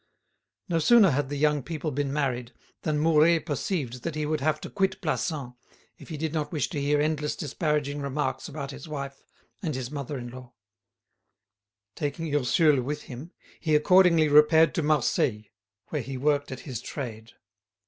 No sooner had the young people been married than Mouret perceived that he would have to quit Plassans, if he did not wish to hear endless disparaging remarks about his wife and his mother in law. Taking Ursule with him, he accordingly repaired to Marseilles, where he worked at his trade.